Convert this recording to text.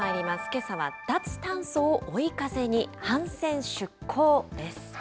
けさは脱炭素を追い風に、帆船出航です。